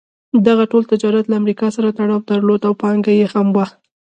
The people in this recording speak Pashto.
دغه ټول تجارت له امریکا سره تړاو درلود او پانګه یې هم وه.